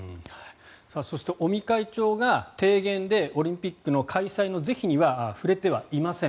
そして、尾身会長が提言でオリンピックの開催の是非には触れてはいません。